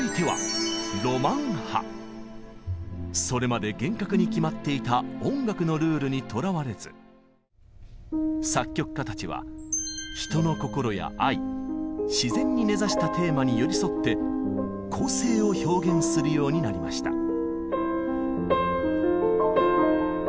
それまで厳格に決まっていた音楽のルールにとらわれず作曲家たちは人の心や愛自然に根ざしたテーマに寄り添って個性を表現するようになりました。